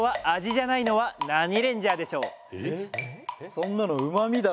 そんなのうまみだろう。